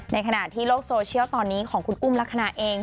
ขณะที่โลกโซเชียลตอนนี้ของคุณอุ้มลักษณะเอง